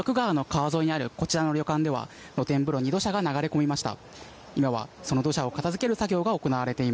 三徳川の川沿いにあるこちらの旅館では露天風呂に土砂が流れ込みました。